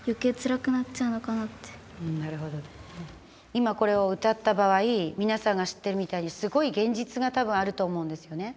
今これを歌った場合皆さんが知ってるみたいにすごい現実が多分あると思うんですよね。